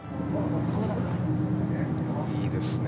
いいですね